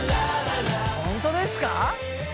本当ですか！？